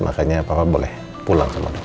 makanya papa boleh pulang sama dokter